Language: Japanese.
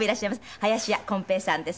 林家こん平さんです。